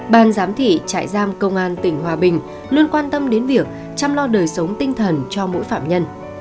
ban giám thị trại giam công an tỉnh hòa bình luôn quan tâm đến việc chăm lo đời sống tinh thần cho mỗi phạm nhân